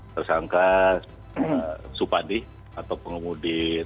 tersangka supadi atau pengemudi